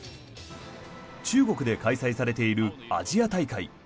中国で開催されているアジア大会。